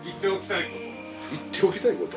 言っておきたいこと。